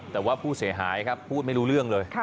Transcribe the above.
แต่ว่าผู้เสียหายครับพูดไม่รู้เรื่องเลย